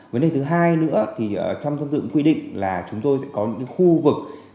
vấn đề thứ hai nữa thì trong thông tư quy định là chúng tôi sẽ có những khu vực